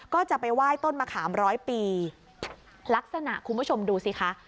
ก็จะไปไหว้ต้นมะขามร้อยปีลักษณะคุณผู้ชมดูสิคะ